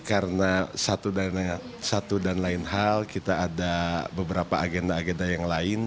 karena satu dan lain hal kita ada beberapa agenda agenda yang lain